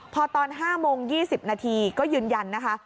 พอตอน๕โมง๒๐นาทีก็ยืนยันนะคะ